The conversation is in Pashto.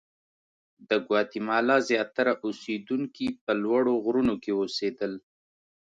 د ګواتیمالا زیاتره اوسېدونکي په لوړو غرونو کې اوسېدل.